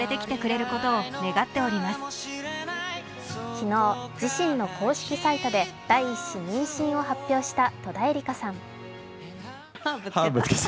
昨日自身の公式サイトで第１子妊娠を発表した戸田恵梨香さん。